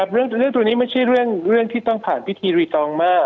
เรื่องตัวนี้ไม่ใช่เรื่องที่ต้องผ่านพิธีรีตองมาก